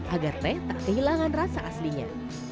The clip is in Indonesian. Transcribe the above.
agar teh tak kehilangan rasa aslinya